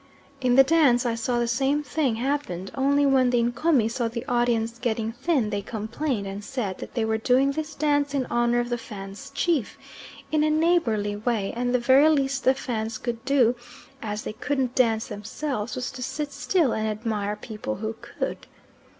In the dance I saw the same thing happened, only when the Ncomi saw the audience getting thin they complained and said that they were doing this dance in honour of the Fans' chief, in a neighbourly way, and the very least the Fans could do, as they couldn't dance themselves, was to sit still and admire people who could.